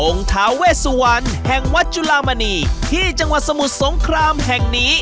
ทาเวสวันแห่งวัดจุลามณีที่จังหวัดสมุทรสงครามแห่งนี้